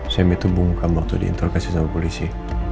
semi itu buka waktu diintro kasih sama polisi